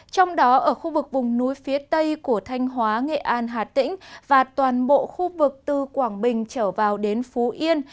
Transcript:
trong đó ở khu vực vùng núi phía tây của thanh hóa nghệ an hà tĩnh và toàn bộ khu vực từ quảng bình trở vào đến phú yên